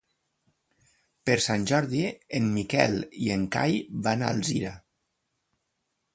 Per Sant Jordi en Miquel i en Cai van a Alzira.